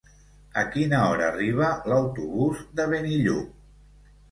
A quina hora arriba l'autobús de Benillup?